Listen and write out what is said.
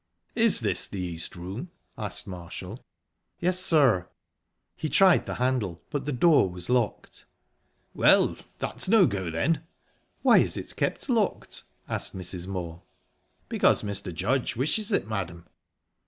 "Is this the East Room?" asked Marshall. "Yes, sir." He tried the handle, but the door was locked. "Well, that's no go, then!" "Why is it kept locked?" asked Mrs. Moor. "Because Mr. Judge wishes it, madam."